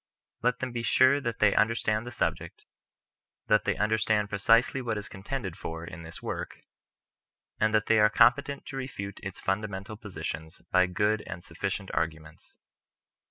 Let them be sure that they un derstand the subject, that they understand precisely what is contended for in this work, and that they are vi PREFACE. competent to refute its fundamental positions by good and sufficient arguments.